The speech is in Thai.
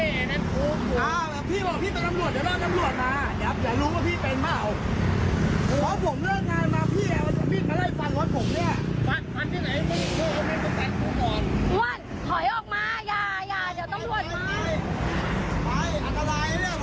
เย่เดี๋ยวตำรวจมา